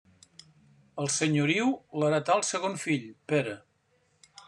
El senyoriu l'heretà el segon fill, Pere.